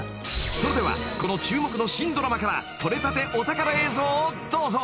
［それではこの注目の新ドラマから撮れたてお宝映像をどうぞ］